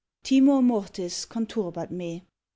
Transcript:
TIMOR MORTIS CONTURBAT ME.